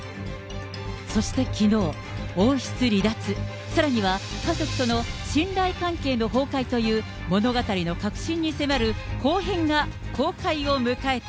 そしてきのう、王室離脱、さらには、家族との信頼関係の崩壊という、物語の核心に迫る後編が公開を迎えた。